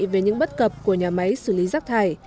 về những bất cập của nhà máy xử lý rác thải